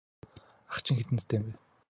Ах чинь хэдэн настай юм бэ?